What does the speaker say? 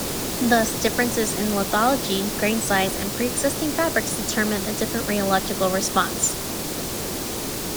Thus differences in lithology, grain size, and preexisting fabrics determine a different rheological response.